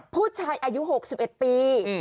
ผู้ชายอายุ๖๑ปี